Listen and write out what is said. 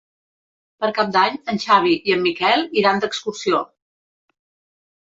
Per Cap d'Any en Xavi i en Miquel iran d'excursió.